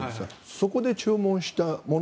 そこで注文したもの